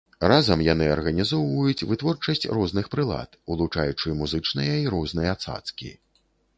Разам яны арганізоўваюць вытворчасць розных прылад, улучаючы музычныя і розныя цацкі.